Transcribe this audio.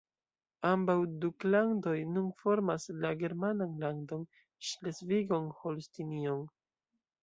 Ambaŭ duklandoj nun formas la germanan landon Ŝlesvigon-Holstinion.